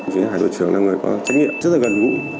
phía hải đội trưởng là người có trách nhiệm rất là gần gũi